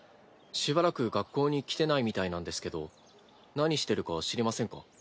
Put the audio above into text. しばらく学校に来てないみたいなんですけど何してるか知りませんか？